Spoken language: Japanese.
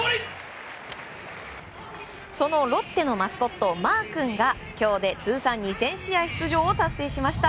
そのロッテのマスコットマーくんが今日で通算２０００試合出場を達成しました。